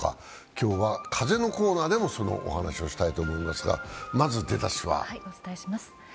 今日は風のコーナーでもそのお話をしたいと思いますがお伝えします。